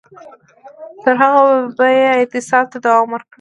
تر هغو به یې اعتصاب ته دوام ورکاوه.